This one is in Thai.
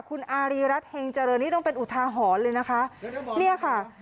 คุณอารีรัฐเฮงเจริญนี่ต้องเป็นอุทาหรณ์เลยนะคะเนี่ยค่ะ